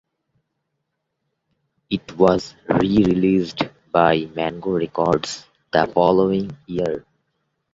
It was rereleased by Mango Records the following year.